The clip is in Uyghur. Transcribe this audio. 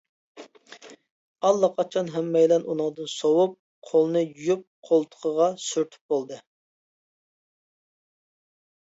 ئاللىقاچان ھەممەيلەن ئۇنىڭدىن سوۋۇپ، قولىنى يۇيۇپ قولتۇقىغا سۈرتۈپ بولدى!